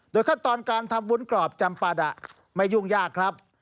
ขั้นตอนการทำวุ้นกรอบจำปาดะไม่ยุ่งยากครับ